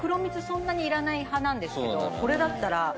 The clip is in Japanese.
そんなにいらない派なんですけどこれだったら全然掛けたい。